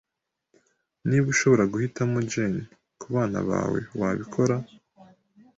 Niba ushobora guhitamo gen kubana bawe, wabikora?